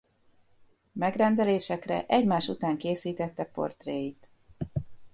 Megrendelésekre egymás után készítette portréit.